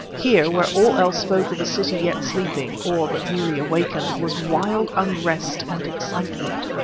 Here, where all else spoke of a city yet sleeping or but newly awakened, was wild unrest and excitement.